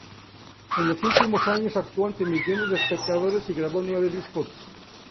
En los últimos años actuó ante millones de espectadores y grabó nueve discos.